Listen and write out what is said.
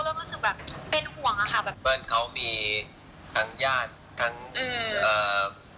และภาพมันก็เริ่มออกมาแล้วเราก็เริ่มรู้สึกว่ามันซีเรียส